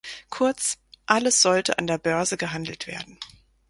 Kurz, alles sollte an der Börse gehandelt werden.